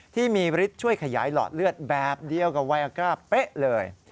ที่มีฤทธิ์ช่วยขยายหลอดเลือดแบบเดียวกับไวอากร้าเป๊ะเลย